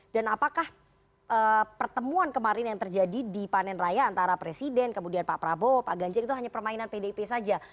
dan apakah pertemuan kemarin yang terjadi di panen raya antara presiden kemudian pak prabowo pak ganjar itu hanya permainan pdip saja